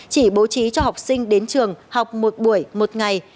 chỉ bố trí cho học sinh đến trường học một buổi một ngày